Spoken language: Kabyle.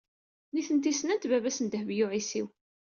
Nitenti ssnent baba-s n Dehbiya u Ɛisiw.